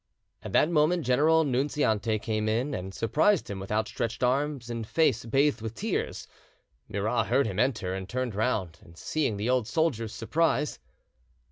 At that moment General Nunziante came in and surprised him with outstretched arms and face bathed with tears. Murat heard him enter and turned round, and seeing the old soldier's surprise.